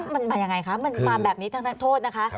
มันหมายยังไงคะมันความแบบนี้ทั้งโทษนะคะ